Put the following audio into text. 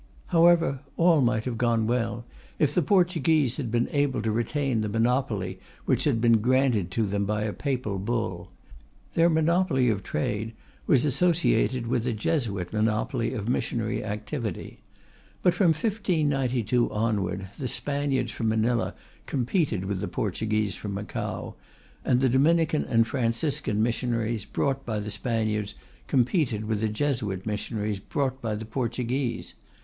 However, all might have gone well if the Portuguese had been able to retain the monopoly which had been granted to them by a Papal Bull. Their monopoly of trade was associated with a Jesuit monopoly of missionary activity. But from 1592 onward, the Spaniards from Manila competed with the Portuguese from Macao, and the Dominican and Franciscan missionaries, brought by the Spaniards, competed with the Jesuit missionaries brought by the Portuguese.